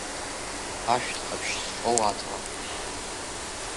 Ашәҭ ҟаԥшь зҿоу Аҵла!